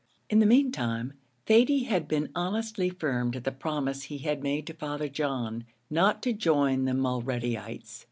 In the meantime Thady had been honestly firm to the promise he had made to Father John, not to join the Mulreadyites.